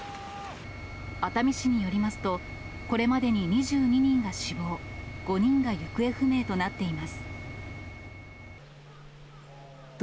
熱海市によりますと、これまでに２２人が死亡、５人が行方不明となっています。